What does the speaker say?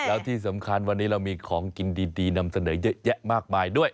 แล้วที่สำคัญวันนี้เรามีของกินดีนำเสนอเยอะแยะมากมายด้วย